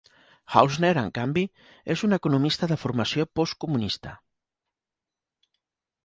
Hausner, en canvi, és un economista de formació postcomunista.